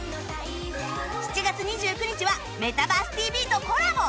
７月２９日は『メタバース ＴＶ』とコラボ